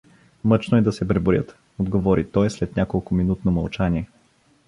Мъчно е да се преброят — отговори той след няколкоминутно мълчание.